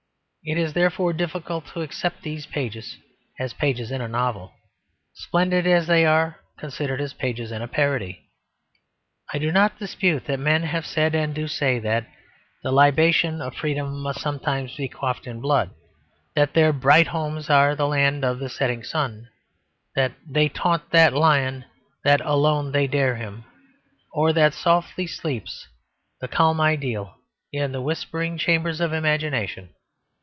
It is therefore difficult to accept these pages as pages in a novel, splendid as they are considered as pages in a parody. I do not dispute that men have said and do say that "the libation of freedom must sometimes be quaffed in blood," that "their bright homes are the land of the settin' sun," that "they taunt that lion," that "alone they dare him," or "that softly sleeps the calm ideal in the whispering chambers of imagination."